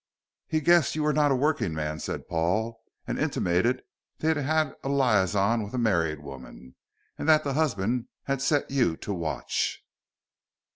"He guessed you were not a working man," said Paul, "and intimated that he had a liaison with a married woman, and that the husband had set you to watch."